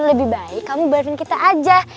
lebih baik kamu buatin kita aja